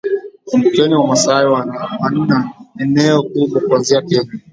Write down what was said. Kumbukeni Wamasai wanna eneo kubwa kuanzia Kenya